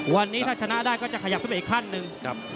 วันนี้ถ้าชนะได้ก็จะขยับขึ้นไปอีกขั้นหนึ่ง